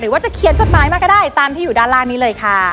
ว่าจะเขียนจดหมายมาก็ได้ตามที่อยู่ด้านล่างนี้เลยค่ะ